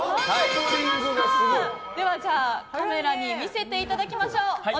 では、カメラに見せていただきましょう。